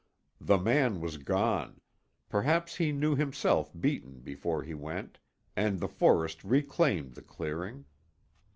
The man was gone; perhaps he knew himself beaten before he went, and the forest reclaimed the clearing.